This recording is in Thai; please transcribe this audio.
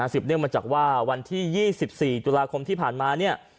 สิบเนื่องมาจากวันที่๒๔จุฬาคมที่ผ่านมา